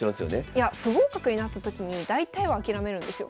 いや不合格になった時に大体は諦めるんですよ。